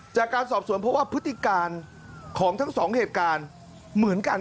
จากการสอบสวนเพราะว่าพฤติการของทั้งสองเหตุการณ์เหมือนกัน